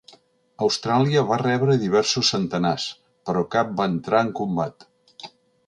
Austràlia va rebre diversos centenars, però cap va entrar en combat.